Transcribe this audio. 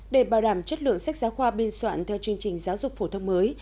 để bảo đảm chất lượng sách giáo khoa biên soạn theo chương trình giáo dục phổ thông mới